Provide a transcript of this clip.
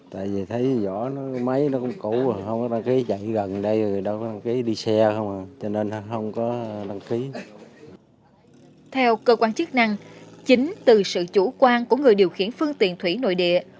theo cơ quan chức năng chính từ sự chủ quan của người điều khiển phương tiện thủy nội địa